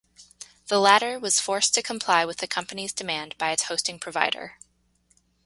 The latter was forced to comply with the company's demand by its hosting provider.